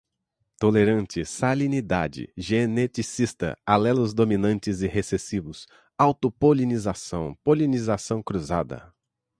tolerante, salinidade, geneticista, alelos dominantes e recessivos, autopolinização, polinização cruzada